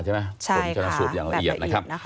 ใช่ค่ะแบบละเอียดนะครับส่วนชนะสูตรอย่างละเอียด